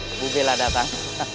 ibu bella datang